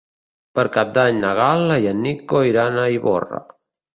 Per Cap d'Any na Gal·la i en Nico iran a Ivorra.